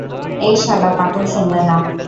এই শালা পাগল শুনবে না।